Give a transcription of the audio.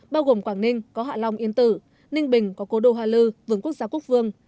bao gồm quảng ninh có hạ long yên tử ninh bình có cố đô hoa lư vườn quốc gia quốc vương